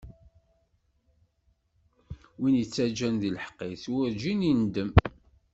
Win ittaǧǧan di leḥqq-is, werǧin indem.